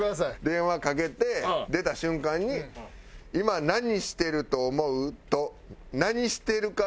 電話かけて出た瞬間に「今何してると思う？」と「何してるか？」